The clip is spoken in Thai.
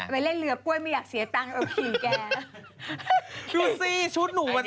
ไปเล่นเรือป้วยไม่อย่าเสียตังุ